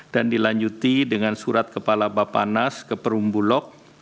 dan dilanjuti dengan surat kepala bapak nas ke perumbu lok